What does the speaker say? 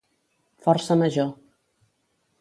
Força major.